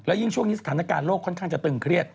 ยิ่งช่วงนี้สถานการณ์โลกค่อนข้างจะตึงเครียด